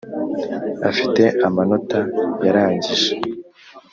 afite amanota yarangije.